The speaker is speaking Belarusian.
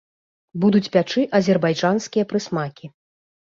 Будуць пячы азербайджанскія прысмакі.